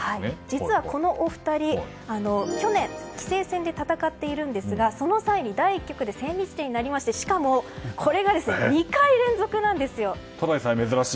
実は、このお二人去年、棋聖戦で戦っているんですがその際に、第１局で千日手になりましてしかもこれが２回連続なんですよ。